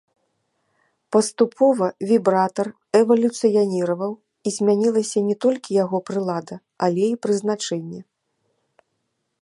Паступова вібратар эвалюцыяніраваў, і змянілася не толькі яго прылада, але і прызначэнне.